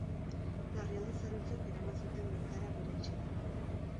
Larrialdi zerbitzuek eraman zuten bertara bere etxetik.